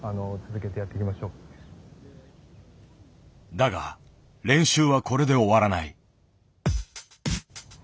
だが練習はこれで終わらない。